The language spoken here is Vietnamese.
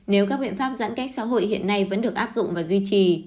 nếu các biện pháp giãn cách xã hội hiện nay vẫn được áp dụng và duy trì